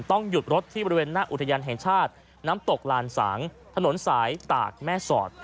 หยุดรถที่บริเวณหน้าอุทยานแห่งชาติน้ำตกลานสางถนนสายตากแม่สอด